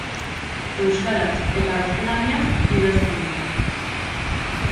Euskaraz eta gaztelaniaz idazten du.